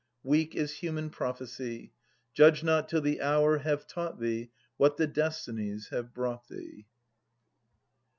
Weak is human prophecy, fudge not, till the hour have taught thee What the destinies have brought thee.